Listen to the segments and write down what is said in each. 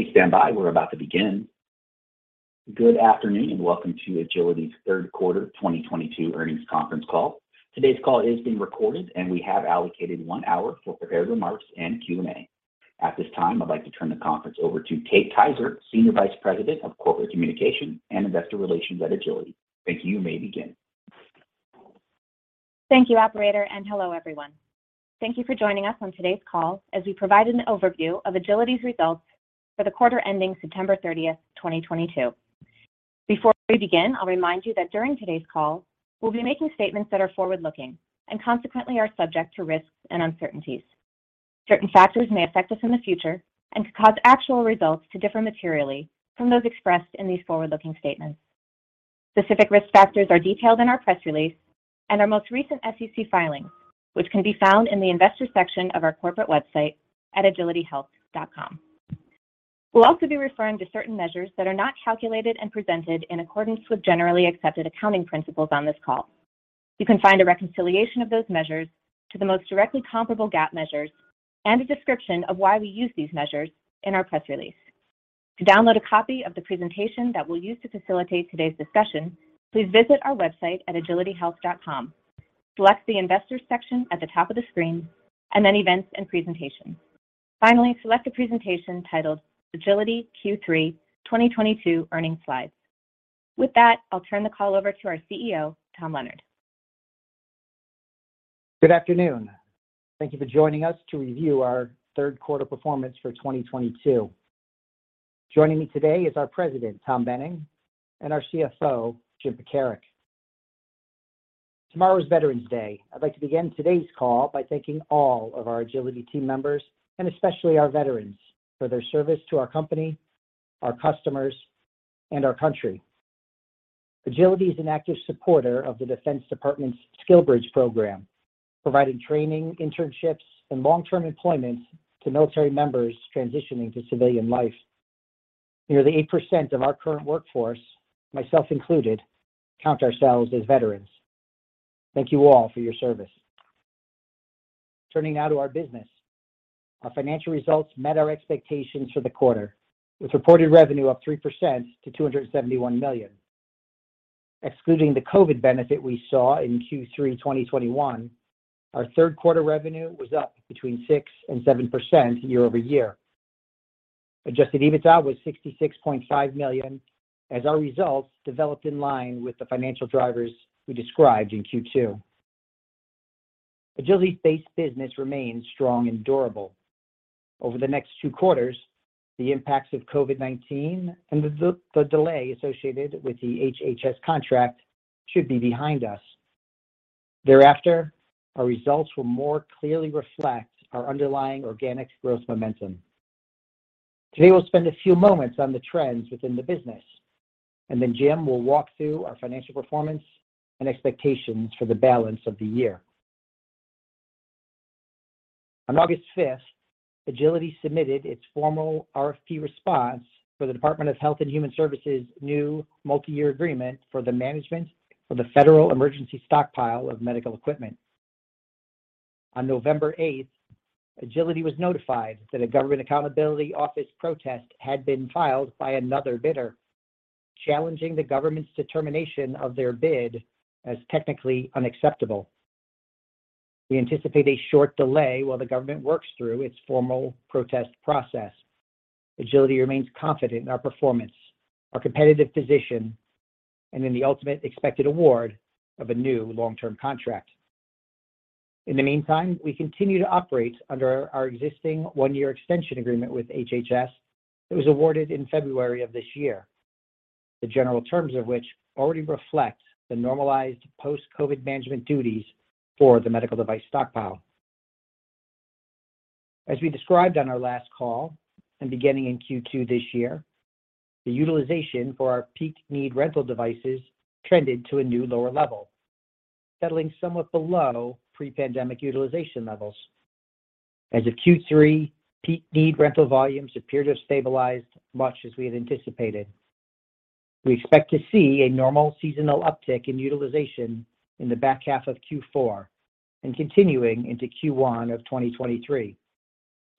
Please stand by. We're about to begin. Good afternoon, and welcome to Agiliti's Q3 2022 Earnings Conference Call. Today's call is being recorded, and we have allocated one hour for prepared remarks and Q&A. At this time, I'd like to turn the conference over to Kate Kaiser, Senior Vice President of Corporate Communication and Investor Relations at Agiliti. Thank you. You may begin. Thank you, operator, and hello, everyone. Thank you for joining us on today's call as we provide an overview of Agiliti's results for the quarter ending September 30th, 2022. Before we begin, I'll remind you that during today's call, we'll be making statements that are forward-looking and consequently are subject to risks and uncertainties. Certain factors may affect us in the future and could cause actual results to differ materially from those expressed in these forward-looking statements. Specific risk factors are detailed in our press release and our most recent SEC filing, which can be found in the Investors section of our corporate website at agilitihealth.com. We'll also be referring to certain measures that are not calculated and presented in accordance with generally accepted accounting principles on this call. You can find a reconciliation of those measures to the most directly comparable GAAP measures and a description of why we use these measures in our press release. To download a copy of the presentation that we'll use to facilitate today's discussion, please visit our website at agilitihealth.com, select the Investors section at the top of the screen and then Events and Presentation. Finally, select the presentation titled Agiliti Q3 2022 Earnings Slides. With that, I'll turn the call over to our CEO, Tom Leonard. Good afternoon. Thank you for joining us to review our Q3 performance for 2022. Joining me today is our President, Tom Boehning, and our CFO, Jim Pekarek. Tomorrow is Veterans Day. I'd like to begin today's call by thanking all of our Agiliti team members, and especially our veterans, for their service to our company, our customers, and our country. Agiliti is an active supporter of the Department of Defense's SkillBridge program, providing training, internships, and long-term employment to military members transitioning to civilian life. Nearly 8% of our current workforce, myself included, count ourselves as veterans. Thank you all for your service. Turning now to our business. Our financial results met our expectations for the quarter, with reported revenue up 3% to $271 million. Excluding the COVID benefit we saw in Q3 2021, our Q3 revenue was up between 6% and 7% year-over-year. Adjusted EBITDA was $66.5 million as our results developed in line with the financial drivers we described in Q2. Agiliti's base business remains strong and durable. Over the next two quarters, the impacts of COVID-19 and the delay associated with the HHS contract should be behind us. Thereafter, our results will more clearly reflect our underlying organic growth momentum. Today, we'll spend a few moments on the trends within the business, and then Jim will walk through our financial performance and expectations for the balance of the year. On August 5, Agiliti submitted its formal RFP response for the Department of Health and Human Services new multi-year agreement for the management for the federal emergency stockpile of medical equipment. On November eighth, Agiliti was notified that a Government Accountability Office protest had been filed by another bidder, challenging the government's determination of their bid as technically unacceptable. We anticipate a short delay while the government works through its formal protest process. Agiliti remains confident in our performance, our competitive position, and in the ultimate expected award of a new long-term contract. In the meantime, we continue to operate under our existing one-year extension agreement with HHS that was awarded in February of this year. The general terms of which already reflect the normalized post-COVID management duties for the medical device stockpile. As we described on our last call and beginning in Q2 this year, the utilization for our peak need rental devices trended to a new lower level, settling somewhat below pre-pandemic utilization levels. As of Q3, peak need rental volumes appear to have stabilized much as we had anticipated. We expect to see a normal seasonal uptick in utilization in the back half of Q4 and continuing into Q1 of 2023,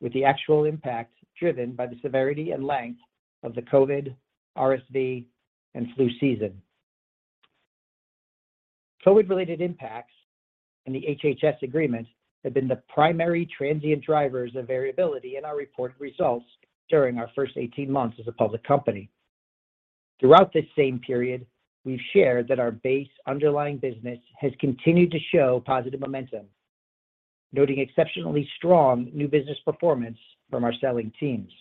with the actual impact driven by the severity and length of the COVID, RSV, and flu season. COVID-related impacts and the HHS agreement have been the primary transient drivers of variability in our reported results during our first 18 months as a public company. Throughout this same period, we've shared that our base underlying business has continued to show positive momentum, noting exceptionally strong new business performance from our selling teams.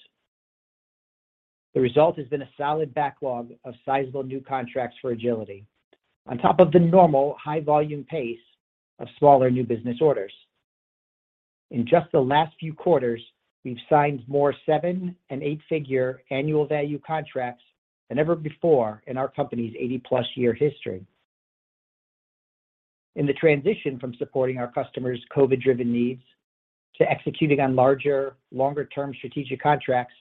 The result has been a solid backlog of sizable new contracts for Agiliti on top of the normal high volume pace of smaller new business orders. In just the last few quarters, we've signed more 7 and 8 figure annual value contracts than ever before in our company's 80-plus year history. In the transition from supporting our customers' COVID-driven needs to executing on larger, longer-term strategic contracts,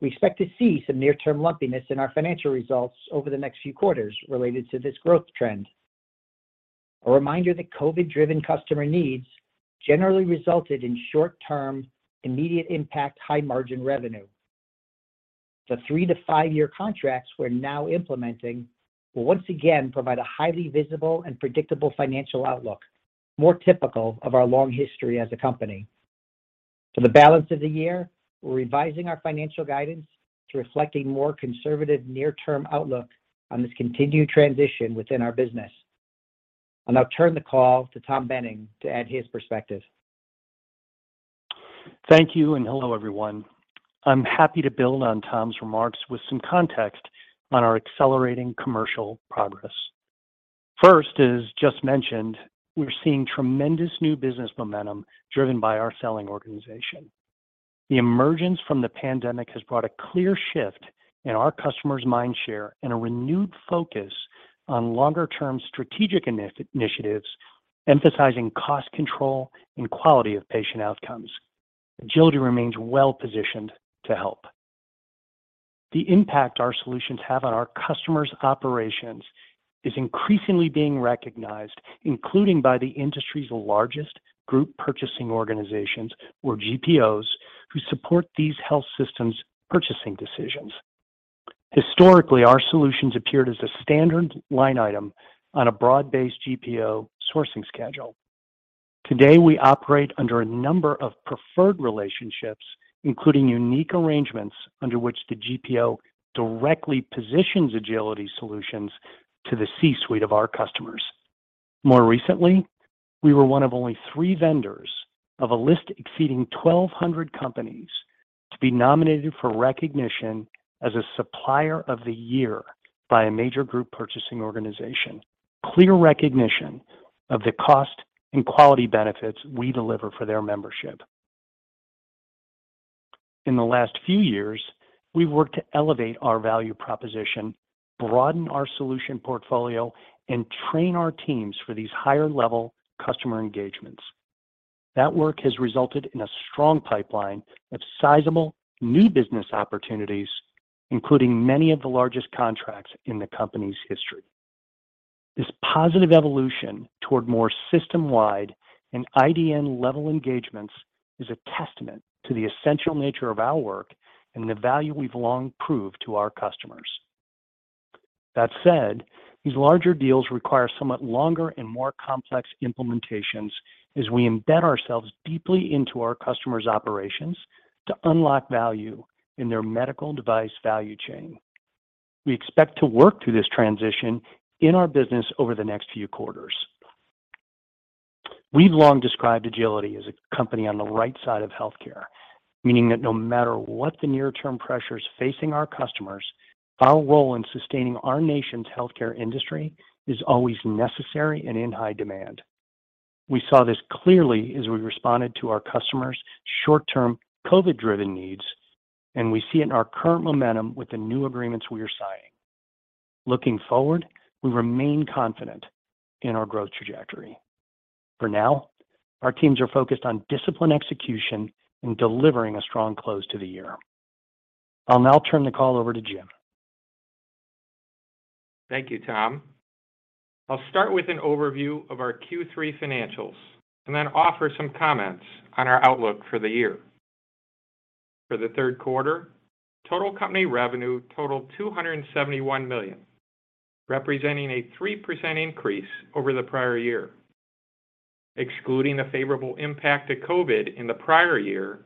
we expect to see some near-term lumpiness in our financial results over the next few quarters related to this growth trend. A reminder that COVID-driven customer needs generally resulted in short-term, immediate impact, high-margin revenue. The 3 to 5 year contracts we're now implementing will once again provide a highly visible and predictable financial outlook, more typical of our long history as a company. For the balance of the year, we're revising our financial guidance to reflect a more conservative near-term outlook on this continued transition within our business. I'll now turn the call to Tom Boehning to add his perspective. Thank you, and hello, everyone. I'm happy to build on Tom's remarks with some context on our accelerating commercial progress. First, as just mentioned, we're seeing tremendous new business momentum driven by our selling organization. The emergence from the pandemic has brought a clear shift in our customers' mindshare and a renewed focus on longer-term strategic initiatives emphasizing cost control and quality of patient outcomes. Agiliti remains well-positioned to help. The impact our solutions have on our customers' operations is increasingly being recognized, including by the industry's largest group purchasing organizations, or GPOs, who support these health systems' purchasing decisions. Historically, our solutions appeared as a standard line item on a broad-based GPO sourcing schedule. Today, we operate under a number of preferred relationships, including unique arrangements under which the GPO directly positions Agiliti solutions to the C-suite of our customers. More recently, we were one of only three vendors of a list exceeding 1,200 companies to be nominated for recognition as a supplier of the year by a major group purchasing organization. Clear recognition of the cost and quality benefits we deliver for their membership. In the last few years, we've worked to elevate our value proposition, broaden our solution portfolio, and train our teams for these higher-level customer engagements. That work has resulted in a strong pipeline of sizable new business opportunities, including many of the largest contracts in the company's history. This positive evolution toward more system-wide and IDN-level engagements is a testament to the essential nature of our work and the value we've long proved to our customers. That said, these larger deals require somewhat longer and more complex implementations as we embed ourselves deeply into our customers' operations to unlock value in their medical device value chain. We expect to work through this transition in our business over the next few quarters. We've long described Agiliti as a company on the right side of healthcare, meaning that no matter what the near-term pressures facing our customers, our role in sustaining our nation's healthcare industry is always necessary and in high demand. We saw this clearly as we responded to our customers' short-term COVID-driven needs, and we see it in our current momentum with the new agreements we are signing. Looking forward, we remain confident in our growth trajectory. For now, our teams are focused on disciplined execution and delivering a strong close to the year. I'll now turn the call over to Jim. Thank you, Tom. I'll start with an overview of our Q3 financials and then offer some comments on our outlook for the year. For the Q3, total company revenue totaled $271 million, representing a 3% increase over the prior year. Excluding the favorable impact of COVID in the prior year,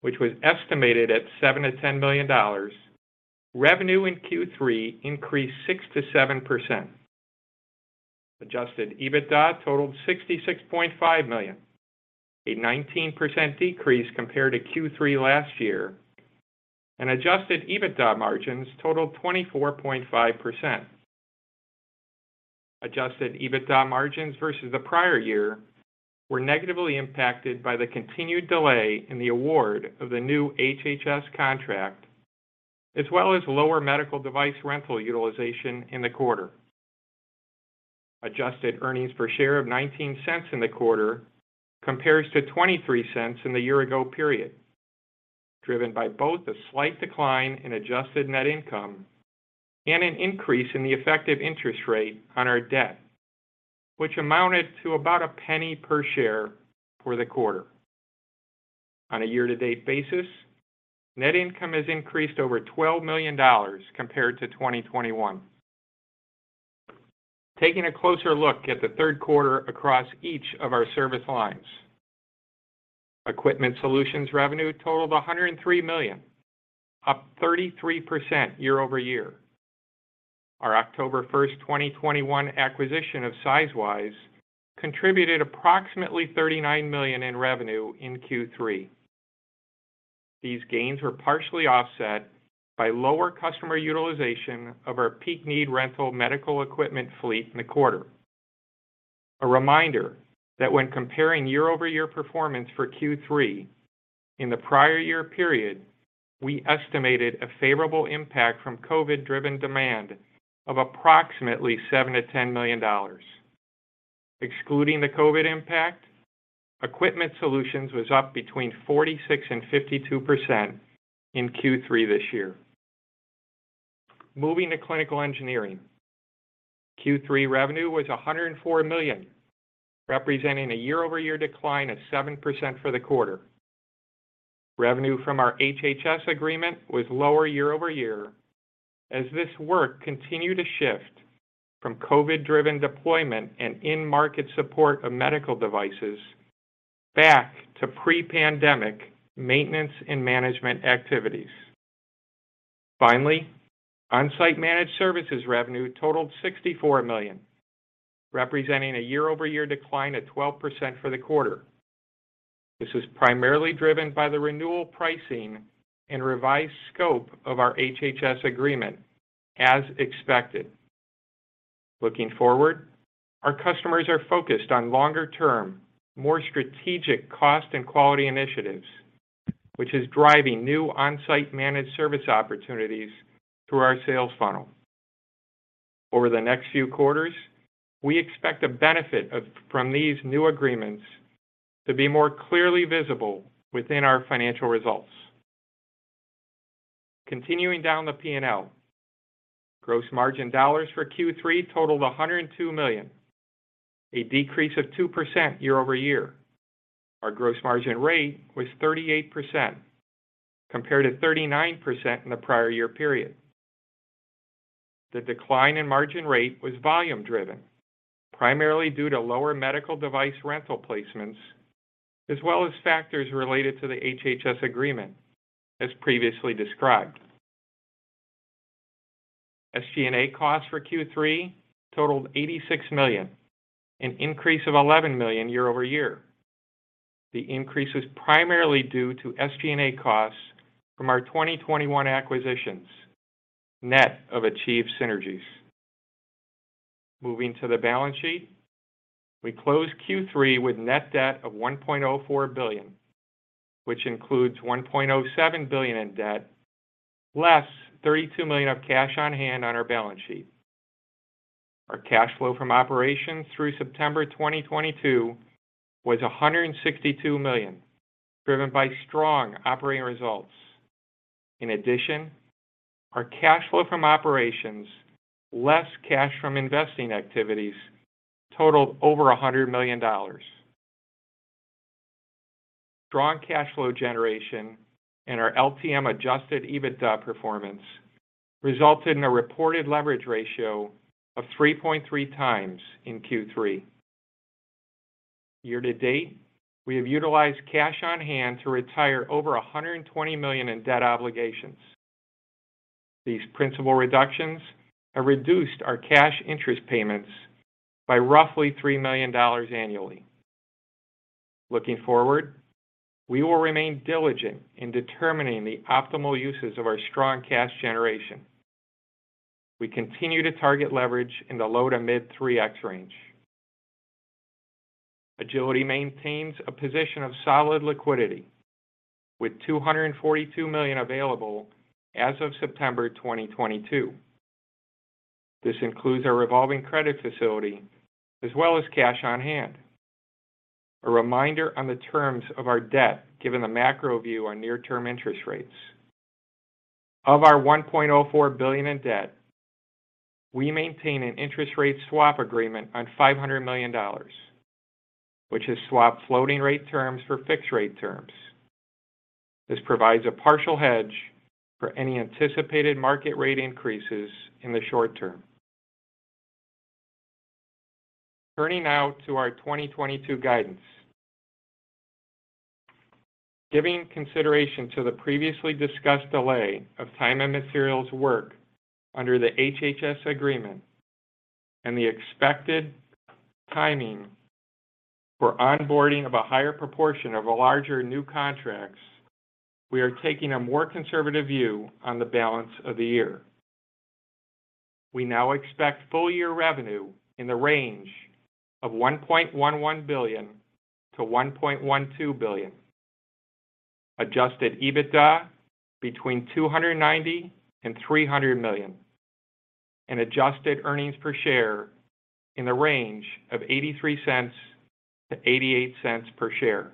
which was estimated at $7 million-$10 million, revenue in Q3 increased 6%-7%. Adjusted EBITDA totaled $66.5 million, a 19% decrease compared to Q3 last year, and adjusted EBITDA margins totaled 24.5%. Adjusted EBITDA margins versus the prior year were negatively impacted by the continued delay in the award of the new HHS contract, as well as lower medical device rental utilization in the quarter. Adjusted earnings per share of $0.19 in the quarter compares to $0.23 in the year-ago period, driven by both a slight decline in adjusted net income and an increase in the effective interest rate on our debt, which amounted to about $0.01 per share for the quarter. On a year-to-date basis, net income has increased over $12 million compared to 2021. Taking a closer look at the Q3 across each of our service lines. Equipment Solutions revenue totaled $103 million, up 33% year-over-year. Our October 1st, 2021 acquisition of Sizewise contributed approximately $39 million in revenue in Q3. These gains were partially offset by lower customer utilization of our peak need rental medical equipment fleet in the quarter. A reminder that when comparing year-over-year performance for Q3, in the prior year period, we estimated a favorable impact from COVID-driven demand of approximately $7-$10 million. Excluding the COVID impact, Equipment Solutions was up between 46% and 52% in Q3 this year. Moving to Clinical Engineering. Q3 revenue was $104 million, representing a year-over-year decline of 7% for the quarter. Revenue from our HHS agreement was lower year over year as this work continued to shift from COVID-driven deployment and in-market support of medical devices back to pre-pandemic maintenance and management activities. Finally, Onsite Managed Services revenue totaled $64 million, representing a year-over-year decline of 12% for the quarter. This was primarily driven by the renewal pricing and revised scope of our HHS agreement as expected. Looking forward, our customers are focused on longer-term, more strategic cost and quality initiatives, which is driving new onsite managed service opportunities through our sales funnel. Over the next few quarters, we expect the benefit of, from these new agreements to be more clearly visible within our financial results. Continuing down the P&L. Gross margin dollars for Q3 totaled $102 million, a decrease of 2% year-over-year. Our gross margin rate was 38% compared to 39% in the prior year period. The decline in margin rate was volume-driven, primarily due to lower medical device rental placements, as well as factors related to the HHS agreement, as previously described. SG&A costs for Q3 totaled $86 million, an increase of $11 million year-over-year. The increase is primarily due to SG&A costs from our 2021 acquisitions, net of achieved synergies. Moving to the balance sheet. We closed Q3 with net debt of $1.04 billion, which includes $1.07 billion in debt, less $32 million of cash on hand on our balance sheet. Our cash flow from operations through September 2022 was $162 million, driven by strong operating results. In addition, our cash flow from operations, less cash from investing activities totaled over $100 million. Strong cash flow generation and our LTM Adjusted EBITDA performance resulted in a reported leverage ratio of 3.3x in Q3. Year to date, we have utilized cash on hand to retire over $120 million in debt obligations. These principal reductions have reduced our cash interest payments by roughly $3 million annually. Looking forward, we will remain diligent in determining the optimal uses of our strong cash generation. We continue to target leverage in the low to mid 3x range. Agiliti maintains a position of solid liquidity with $242 million available as of September 2022. This includes our revolving credit facility as well as cash on hand. A reminder on the terms of our debt, given the macro view on near-term interest rates. Of our $1.04 billion in debt, we maintain an interest rate swap agreement on $500 million, which has swapped floating rate terms for fixed rate terms. This provides a partial hedge for any anticipated market rate increases in the short term. Turning now to our 2022 guidance. Giving consideration to the previously discussed delay of time and materials work under the HHS agreement and the expected timing for onboarding of a higher proportion of larger new contracts, we are taking a more conservative view on the balance of the year. We now expect full year revenue in the range of $1.11 billion-$1.12 billion, adjusted EBITDA between $290 million and $300 million, and adjusted earnings per share in the range of $0.83-$0.88 per share.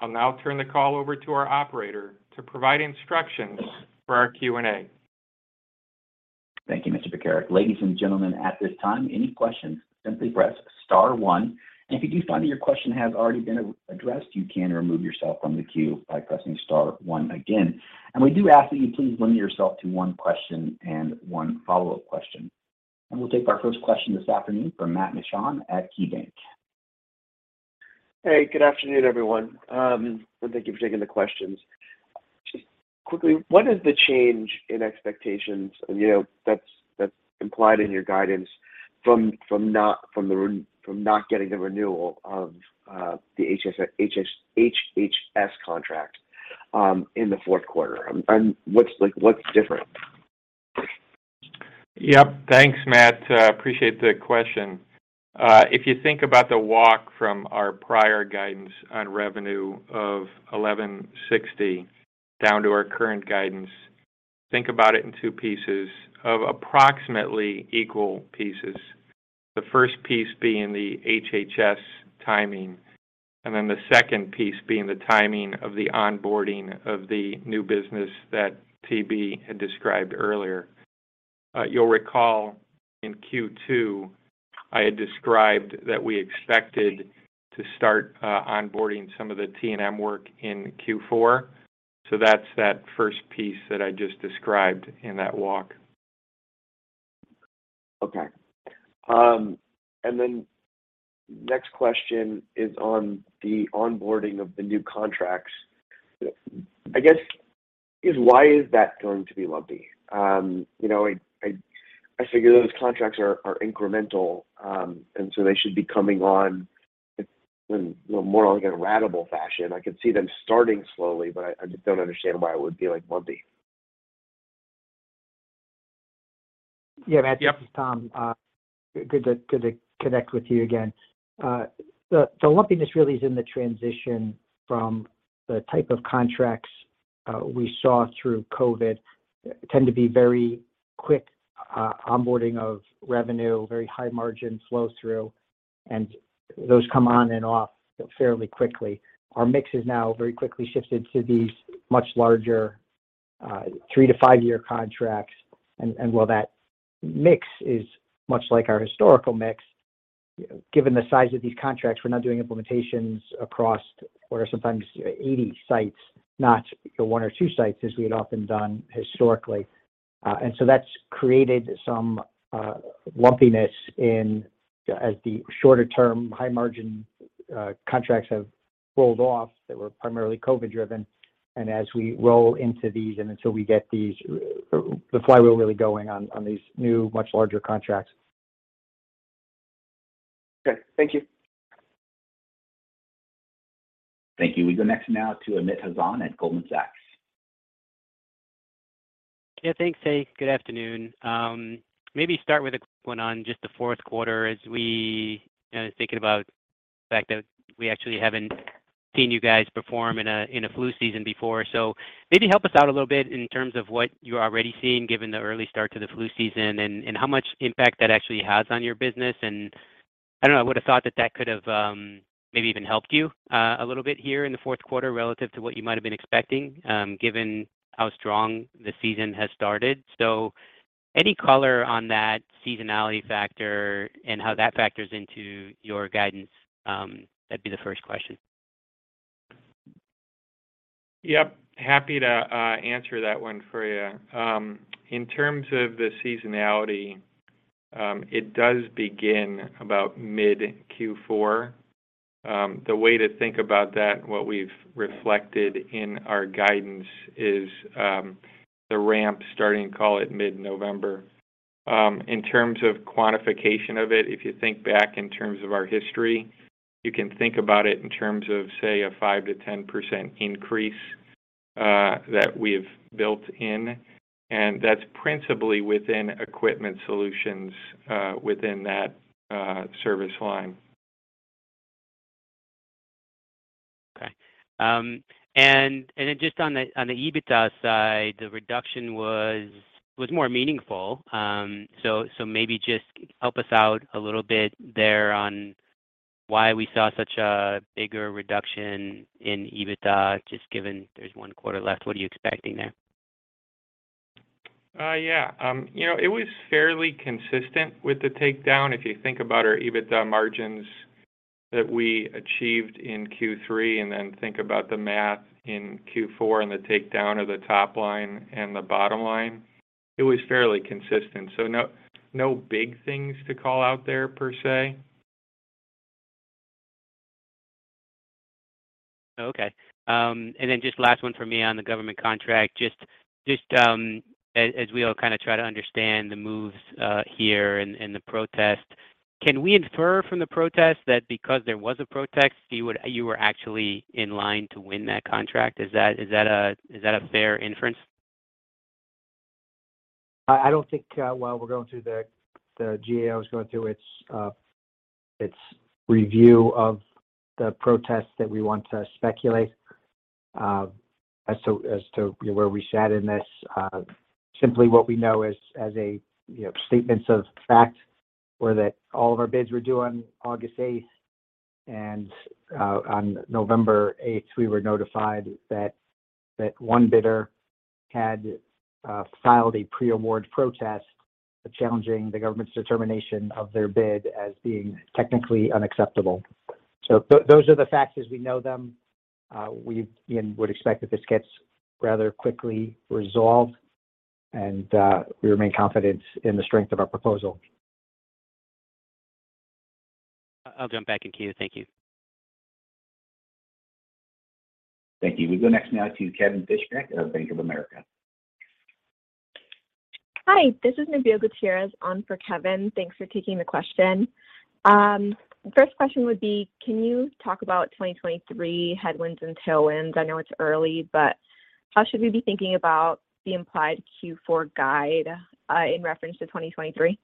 I'll now turn the call over to our operator to provide instructions for our Q&A. Thank you, Mr. Pekarek. Ladies and gentlemen, at this time, any questions, simply press star one. If you do find that your question has already been addressed, you can remove yourself from the queue by pressing star one again. We do ask that you please limit yourself to one question and one follow-up question. We'll take our first question this afternoon from Matt Mishan at KeyBanc. Hey, good afternoon, everyone. Thank you for taking the questions. Just quickly, what is the change in expectations, and you know that's implied in your guidance from not getting the renewal of the HHS contract in the Q4? What's like, what's different? Yep. Thanks, Matt. Appreciate the question. If you think about the walk from our prior guidance on revenue of $1,160 down to our current guidance, think about it in two pieces of approximately equal pieces. The first piece being the HHS timing. And then the second piece being the timing of the onboarding of the new business that TB had described earlier. You'll recall in Q2, I had described that we expected to start onboarding some of the T&M work in Q4. That's that first piece that I just described in that walk. Okay. Then next question is on the onboarding of the new contracts. I guess is why is that going to be lumpy? You know, I figure those contracts are incremental, and so they should be coming on in more like in a ratable fashion. I can see them starting slowly, but I just don't understand why it would be, like, lumpy. Yeah, Matt. Yep. This is Tom. Good to connect with you again. The lumpiness really is in the transition from the type of contracts we saw through COVID tend to be very quick onboarding of revenue, very high margin flow through, and those come on and off fairly quickly. Our mix has now very quickly shifted to these much larger 3 to 5 year contracts. While that mix is much like our historical mix, given the size of these contracts, we're now doing implementations across what are sometimes 80 sites, not one or two sites as we had often done historically. That's created some lumpiness, as the shorter-term high-margin contracts have rolled off that were primarily COVID-driven. As we roll into these and until we get these, the flywheel really going on these new much larger contracts. Okay. Thank you. Thank you. We go next now to Amit Hazan at Goldman Sachs. Yeah, thanks. Hey, good afternoon. Maybe start with a quick one on just the Q4 as we, you know, thinking about the fact that we actually haven't seen you guys perform in a flu season before. Maybe help us out a little bit in terms of what you're already seeing, given the early start to the flu season and how much impact that actually has on your business. I don't know, I would have thought that could have maybe even helped you a little bit here in the Q4 relative to what you might have been expecting, given how strong the season has started. Any color on that seasonality factor and how that factors into your guidance, that'd be the first question. Yep. Happy to answer that one for you. In terms of the seasonality, it does begin about mid Q4. The way to think about that, what we've reflected in our guidance is the ramp starting, call it mid-November. In terms of quantification of it, if you think back in terms of our history, you can think about it in terms of, say, a 5%-10% increase that we've built in, and that's principally within Equipment Solutions within that service line. Just on the EBITDA side, the reduction was more meaningful. Maybe just help us out a little bit there on why we saw such a bigger reduction in EBITDA, just given there's one quarter left. What are you expecting there? Yeah. You know, it was fairly consistent with the takedown. If you think about our EBITDA margins that we achieved in Q3, and then think about the math in Q4 and the takedown of the top line and the bottom line, it was fairly consistent. No, no big things to call out there per se. Okay. Just last one for me on the government contract. Just as we all kinda try to understand the moves here and the protest, can we infer from the protest that because there was a protest, you were actually in line to win that contract? Is that a fair inference? I don't think while the GAO is going through its review of the protests that we want to speculate as to where we sat in this. Simply what we know is statements of fact were that all of our bids were due on August 8, and on November 8, we were notified that one bidder had filed a pre-award protest challenging the government's determination of their bid as being technically unacceptable. Those are the facts as we know them. We would expect that this gets rather quickly resolved, and we remain confident in the strength of our proposal. I'll jump back in queue. Thank you. Thank you. We go next now to Kevin Fischbeck at Bank of America. Hi, this is Nabil Gutierrez on for Kevin. Thanks for taking the question. First question would be, can you talk about 2023 headwinds and tailwinds? I know it's early, but how should we be thinking about the implied Q4 guide, in reference to 2023?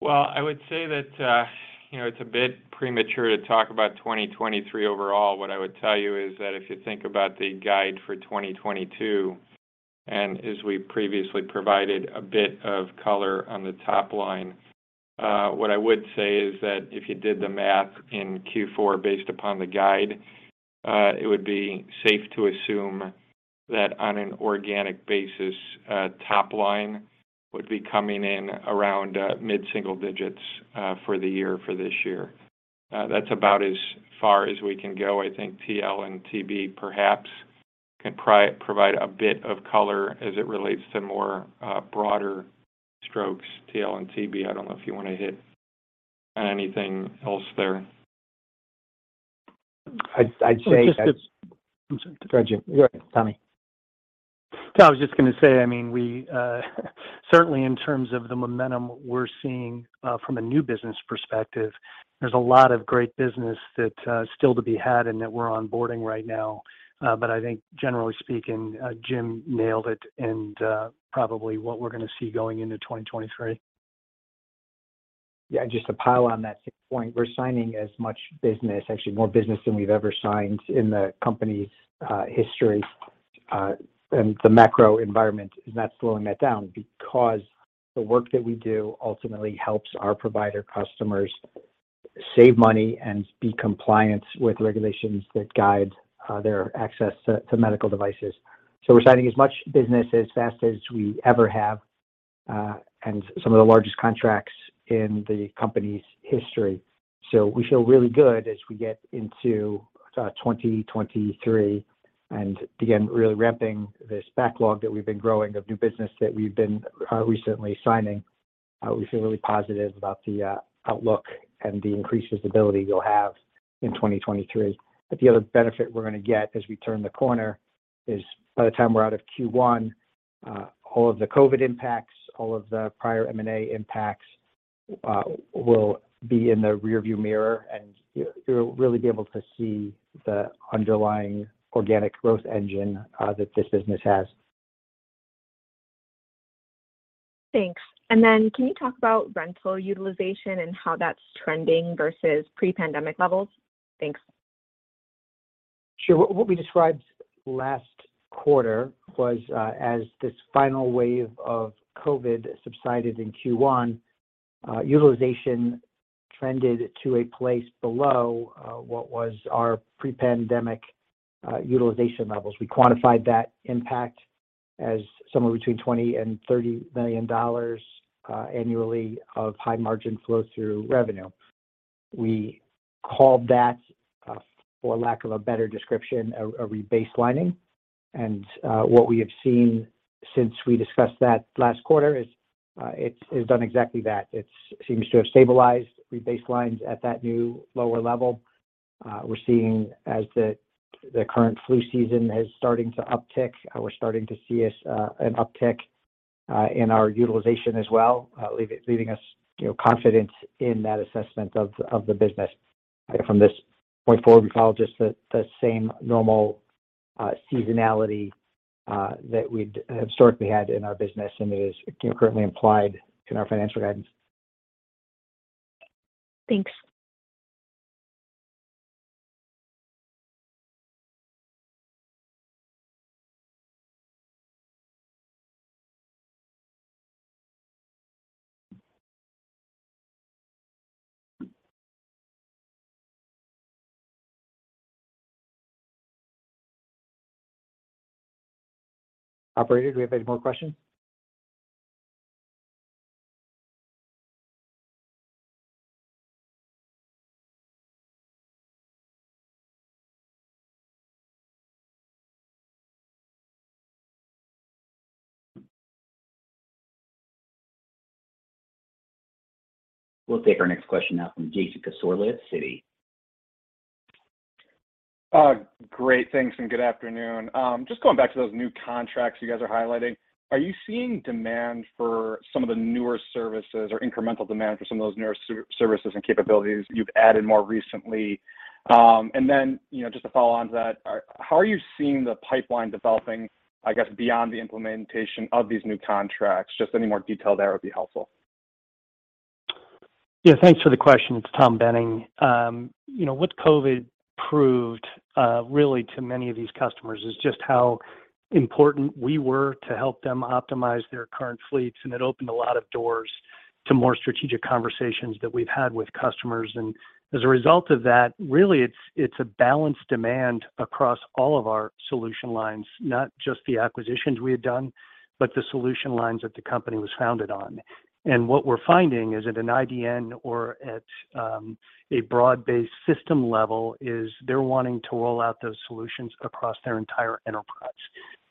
Well, I would say that, you know, it's a bit premature to talk about 2023 overall. What I would tell you is that if you think about the guide for 2022. As we previously provided a bit of color on the top line, what I would say is that if you did the math in Q4 based upon the guide, it would be safe to assume that on an organic basis, top line would be coming in around mid-single digits%, for the year for this year. That's about as far as we can go. I think TL and TB perhaps can provide a bit of color as it relates to more broader strokes. TL and TB, I don't know if you wanna hit anything else there. I'd say that. I'm sorry. Go ahead, Jim. Go ahead, Tommy. No, I was just gonna say, I mean, we certainly in terms of the momentum we're seeing from a new business perspective, there's a lot of great business that still to be had and that we're onboarding right now. I think generally speaking, Jim nailed it in probably what we're gonna see going into 2023. Yeah, just to pile on that same point, we're signing as much business, actually more business than we've ever signed in the company's history. The macro environment is not slowing that down because the work that we do ultimately helps our provider customers save money and be compliant with regulations that guide their access to medical devices. We're signing as much business as fast as we ever have, and some of the largest contracts in the company's history. We feel really good as we get into 2023, and again, really ramping this backlog that we've been growing of new business that we've been recently signing. We feel really positive about the outlook and the increased visibility we'll have in 2023. The other benefit we're gonna get as we turn the corner is by the time we're out of Q1, all of the COVID impacts, all of the prior M&A impacts, will be in the rearview mirror, and you'll really be able to see the underlying organic growth engine, that this business has. Thanks. Can you talk about rental utilization and how that's trending versus pre-pandemic levels? Thanks. Sure. What we described last quarter was, as this final wave of COVID subsided in Q1, utilization trended to a place below what was our pre-pandemic utilization levels. We quantified that impact as somewhere between $20 million and $30 million annually of high-margin flow-through revenue. We called that, for lack of a better description, a rebaselining. What we have seen since we discussed that last quarter is, it's done exactly that. It seems to have stabilized, rebase lined at that new lower level. We're seeing as the current flu season is starting to uptick, we're starting to see an uptick in our utilization as well, leaving us, you know, confident in that assessment of the business. From this point forward, we follow just the same normal seasonality that we'd historically had in our business, and it is, you know, currently implied in our financial guidance. Thanks. Operator, do we have any more questions? We'll take our next question now from Jason Cassorla at Citi. Great. Thanks, and good afternoon. Just going back to those new contracts you guys are highlighting, are you seeing demand for some of the newer services or incremental demand for some of those newer services and capabilities you've added more recently? You know, just to follow on to that, how are you seeing the pipeline developing, I guess, beyond the implementation of these new contracts? Just any more detail there would be helpful. Yeah. Thanks for the question. It's Tom Boehning. You know, what COVID proved really to many of these customers is just how important we were to help them optimize their current fleets, and it opened a lot of doors to more strategic conversations that we've had with customers. As a result of that, really, it's a balanced demand across all of our solution lines, not just the acquisitions we had done, but the solution lines that the company was founded on. What we're finding is at an IDN or at a broad-based system level is they're wanting to roll out those solutions across their entire enterprise.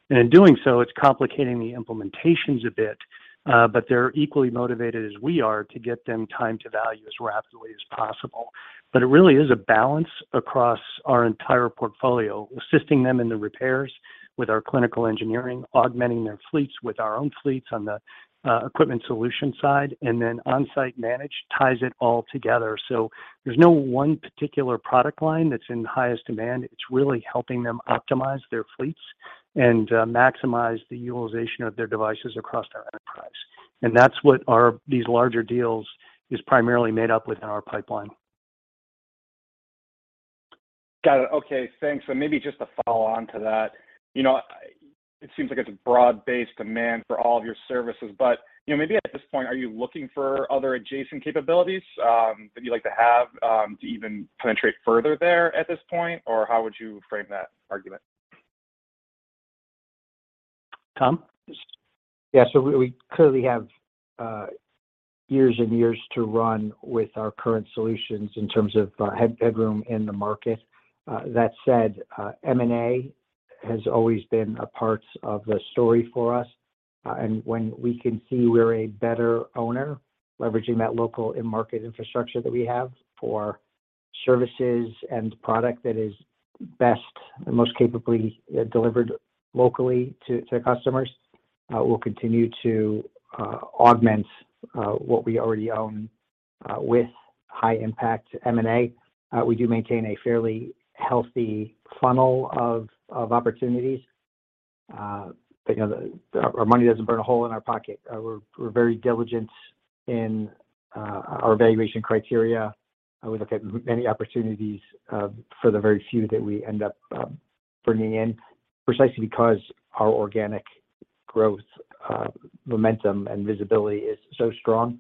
In doing so, it's complicating the implementations a bit, but they're equally motivated as we are to get them time to value as rapidly as possible. It really is a balance across our entire portfolio, assisting them in the repairs with our Clinical Engineering, augmenting their fleets with our own fleets on the Equipment Solutions side, and then Onsite Managed Services ties it all together. There's no one particular product line that's in highest demand. It's really helping them optimize their fleets and maximize the utilization of their devices across their enterprise. That's what our these larger deals is primarily made up within our pipeline. Got it. Okay, thanks. Maybe just to follow on to that, you know, it seems like it's a broad-based demand for all of your services, but, you know, maybe at this point, are you looking for other adjacent capabilities, that you'd like to have, to even penetrate further there at this point? Or how would you frame that argument? Tom? Yeah. We clearly have years and years to run with our current solutions in terms of headroom in the market. That said, M&A has always been a part of the story for us. When we can see we're a better owner leveraging that local and market infrastructure that we have for services and product that is best and most capably delivered locally to customers, we'll continue to augment what we already own with high impact M&A. We do maintain a fairly healthy funnel of opportunities. You know, our money doesn't burn a hole in our pocket. We're very diligent in our valuation criteria. We look at many opportunities for the very few that we end up bringing in precisely because our organic growth, momentum, and visibility is so strong.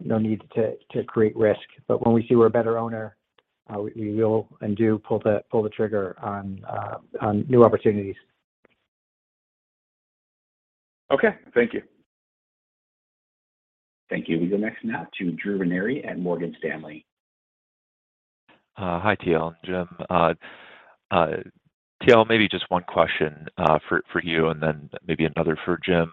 No need to create risk. When we see we're a better owner, we will and do pull the trigger on new opportunities. Okay. Thank you. Thank you. We go next now to Drew Ranieri at Morgan Stanley. Hi, TL, Jim. TL, maybe just one question for you and then maybe another for Jim.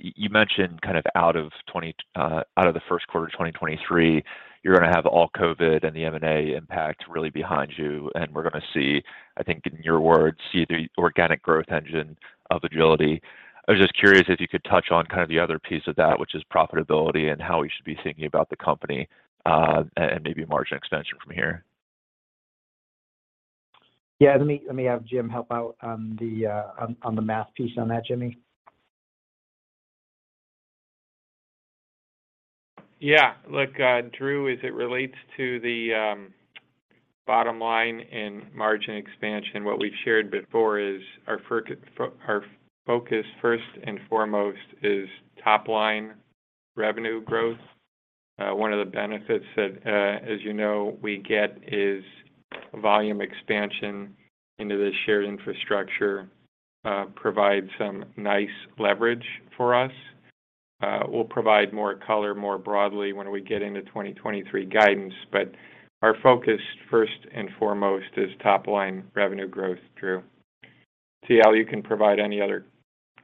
You mentioned kind of out of the Q1 of 2023, you're gonna have all COVID and the M&A impact really behind you, and we're gonna see, I think in your words, the organic growth engine of Agiliti. I was just curious if you could touch on kind of the other piece of that, which is profitability and how we should be thinking about the company, and maybe margin expansion from here. Yeah. Let me have Jim help out on the math piece on that. Jimmy? Yeah. Look, Drew, as it relates to the bottom line in margin expansion, what we've shared before is our focus first and foremost is top line revenue growth. One of the benefits that, as you know, we get is volume expansion into the shared infrastructure provides some nice leverage for us. We'll provide more color more broadly when we get into 2023 guidance, but our focus first and foremost is top line revenue growth, Drew. TL, you can provide any other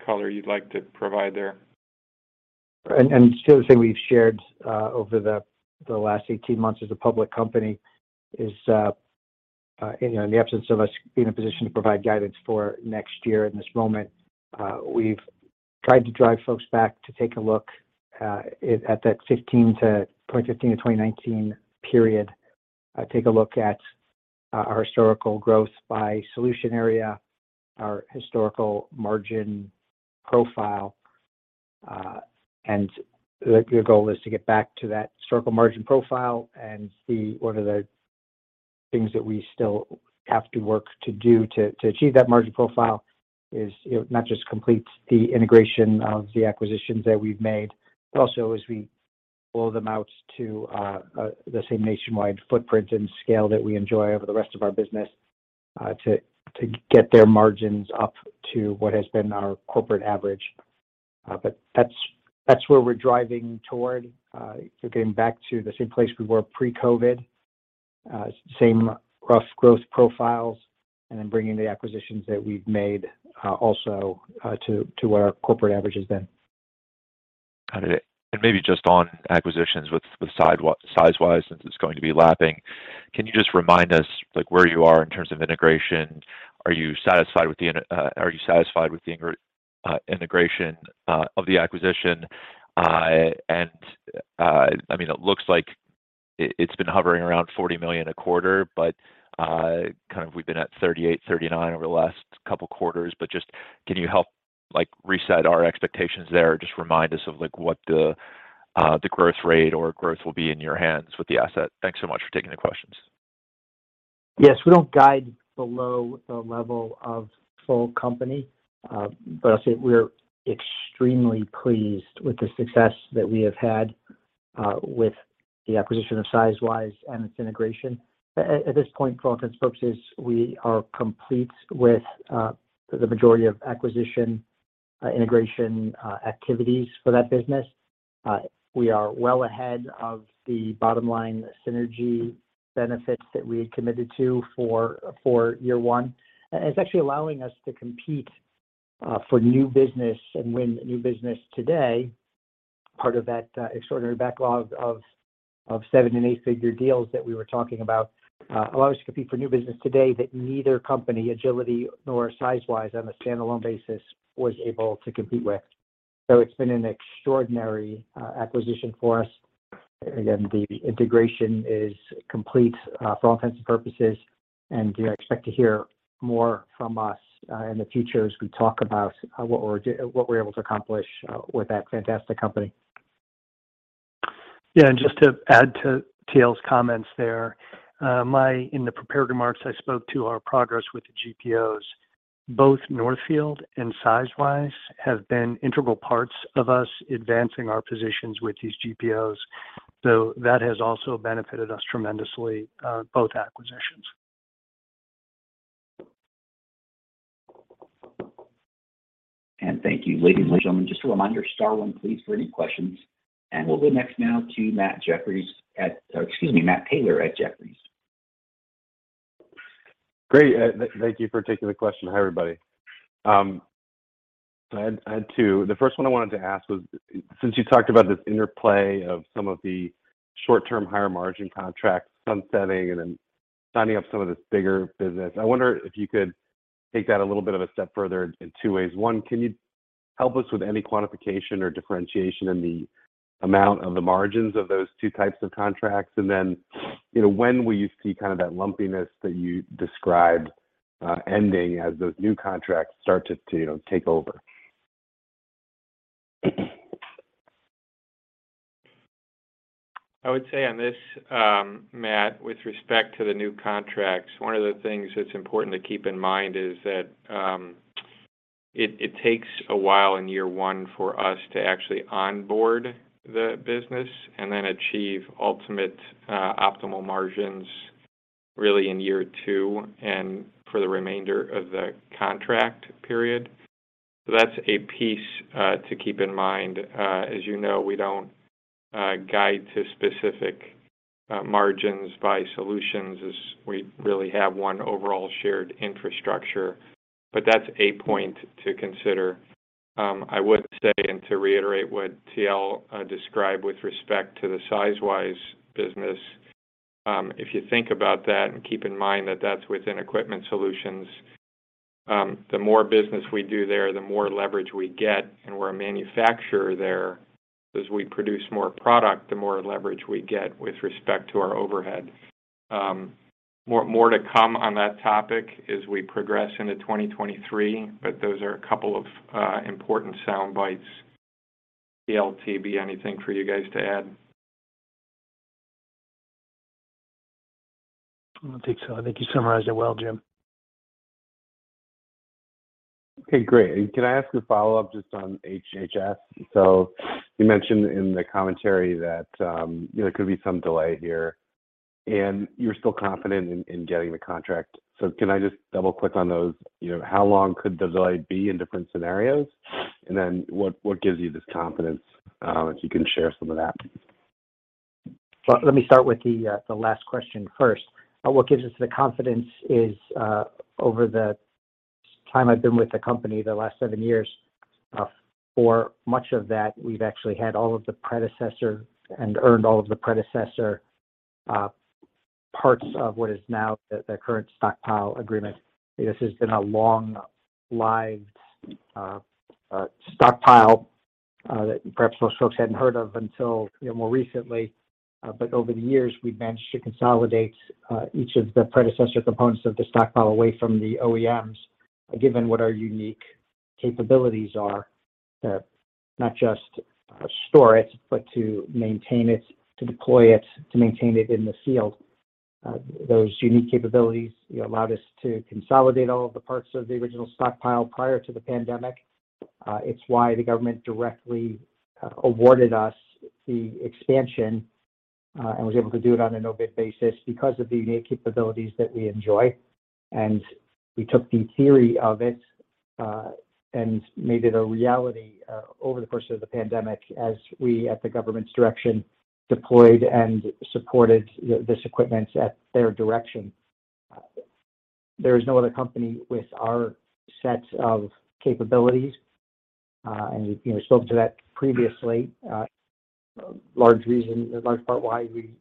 color you'd like to provide there. Still the thing we've shared over the last 18 months as a public company is, you know, in the absence of us being in a position to provide guidance for next year in this moment, we've tried to drive folks back to take a look at that 2015-2019 period. Take a look at our historical growth by solution area, our historical margin profile. The goal is to get back to that historical margin profile and see what the things are that we still have to work to do to achieve that margin profile. You know, not just complete the integration of the acquisitions that we've made, but also as we roll them out to the same nationwide footprint and scale that we enjoy over the rest of our business, to get their margins up to what has been our corporate average. That's where we're driving toward getting back to the same place we were pre-COVID. Same rough growth profiles, and then bringing the acquisitions that we've made also to what our corporate average has been. Got it. Maybe just on acquisitions with Sizewise, since it's going to be lapping. Can you just remind us, like, where you are in terms of integration? Are you satisfied with the integration of the acquisition? I mean, it looks like it's been hovering around $40 million a quarter, but kind of we've been at $38 million, $39 million over the last couple quarters. Just can you help, like, reset our expectations there or just remind us of, like, what the growth rate or growth will be in your hands with the asset? Thanks so much for taking the questions. Yes. We don't guide below the level of full company. But I'll say we're extremely pleased with the success that we have had with the acquisition of Sizewise and its integration. At this point, for all intents and purposes, we are complete with the majority of acquisition integration activities for that business. We are well ahead of the bottom line synergy benefits that we had committed to for year one. It's actually allowing us to compete for new business and win new business today. Part of that extraordinary backlog of seven and eight-figure deals that we were talking about allows us to compete for new business today that neither company, Agiliti nor Sizewise on a standalone basis, was able to compete with. It's been an extraordinary acquisition for us. Again, the integration is complete, for all intents and purposes, and you expect to hear more from us, in the future as we talk about, what we're able to accomplish, with that fantastic company. Yeah, just to add to TL's comments there, in the prepared remarks I spoke to our progress with the GPOs. Both Northfield and SizeWise have been integral parts of us advancing our positions with these GPOs. That has also benefited us tremendously, both acquisitions. Thank you. Ladies and gentlemen, just a reminder, star one please for any questions. We'll go next now to Matt Taylor at Jefferies. Great. Thank you for taking the question. Hi, everybody. I had two. The first one I wanted to ask was since you talked about this interplay of some of the short-term higher margin contracts sunsetting and then signing up some of this bigger business, I wonder if you could take that a little bit of a step further in two ways. One, can you help us with any quantification or differentiation in the amount of the margins of those two types of contracts? And then, you know, when will you see kind of that lumpiness that you described, ending as those new contracts start to, you know, take over? I would say on this, Matt, with respect to the new contracts, one of the things that's important to keep in mind is that it takes a while in year one for us to actually onboard the business and then achieve ultimate optimal margins really in year two and for the remainder of the contract period. That's a piece to keep in mind. As you know, we don't guide to specific margins by solutions as we really have one overall shared infrastructure. That's a point to consider. I would say to reiterate what TL described with respect to the Sizewise business, if you think about that and keep in mind that that's within Equipment Solutions, the more business we do there, the more leverage we get, and we're a manufacturer there. As we produce more product, the more leverage we get with respect to our overhead. More to come on that topic as we progress into 2023, but those are a couple of important sound bites. TL, TB, anything for you guys to add? I don't think so. I think you summarized it well, Jim. Okay, great. Can I ask a follow-up just on HHS? You mentioned in the commentary that, you know, there could be some delay here, and you're still confident in getting the contract. Can I just double-click on those? You know, how long could the delay be in different scenarios? Then what gives you this confidence, if you can share some of that. Let me start with the last question first. What gives us the confidence is, over the time I've been with the company, the last seven years, for much of that, we've actually had all of the predecessor and acquired all of the predecessor parts of what is now the current stockpile agreement. This has been a long-lived stockpile that perhaps most folks hadn't heard of until, you know, more recently. Over the years, we've managed to consolidate each of the predecessor components of the stockpile away from the OEMs, given what our unique capabilities are to not just store it, but to maintain it, to deploy it, to maintain it in the field. Those unique capabilities, you know, allowed us to consolidate all of the parts of the original stockpile prior to the pandemic. It's why the government directly awarded us the expansion and was able to do it on a no-bid basis because of the unique capabilities that we enjoy. We took the theory of it and made it a reality over the course of the pandemic as we at the government's direction deployed and supported this equipment at their direction. There is no other company with our set of capabilities and we, you know, spoke to that previously. Large reason, large part why we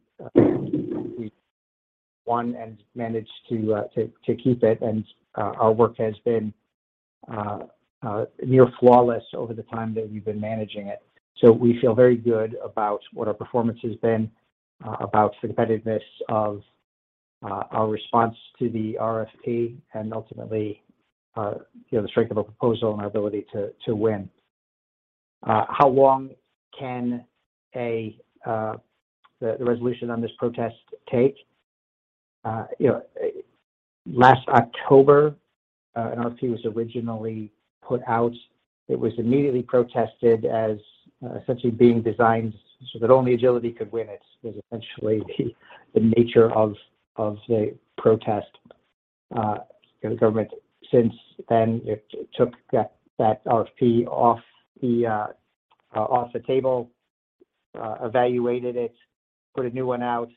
won and managed to keep it. Our work has been near flawless over the time that we've been managing it. We feel very good about what our performance has been, about the competitiveness of our response to the RFP and ultimately, you know, the strength of our proposal and our ability to win. How long can the resolution on this protest take? You know, last October, an RFP was originally put out. It was immediately protested as essentially being designed so that only Agiliti could win it. It was essentially the nature of the protest. You know, the government since then, it took that RFP off the table, evaluated it, put a new one out,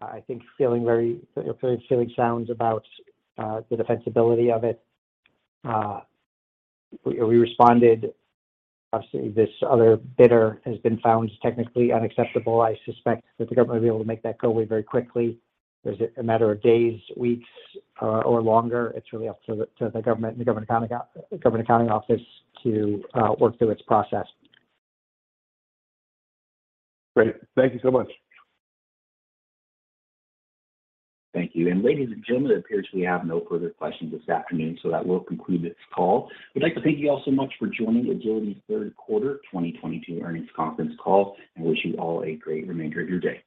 I think feeling very confident about the defensibility of it. We responded. Obviously, this other bidder has been found technically unacceptable. I suspect that the government will be able to make that go away very quickly. Whether it's a matter of days, weeks, or longer, it's really up to the government and the Government Accountability Office to work through its process. Great. Thank you so much. Thank you. Ladies and gentlemen, it appears we have no further questions this afternoon, so that will conclude this call. We'd like to thank you all so much for joining Agiliti's Q3 2022 Earnings Conference Call, and wish you all a great remainder of your day. Goodbye.